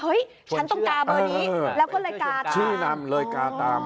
ฉันโต้งกาเบอร์นี้แล้วก็เลยกาตาม